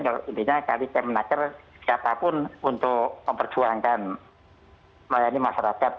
kalau intinya kali saya menakar siapapun untuk memperjuangkan melayani masyarakat